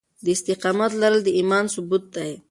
د استقامت لرل د ايمان ثبوت دی.